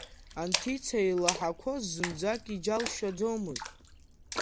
Анҭица илаҳақәоз зынӡак иџьалшьаӡомызт.